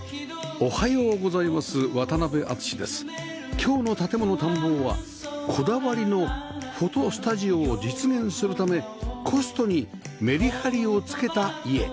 今日の『建もの探訪』はこだわりのフォトスタジオを実現するためコストにメリハリをつけた家